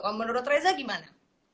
kalau menurut reza gimana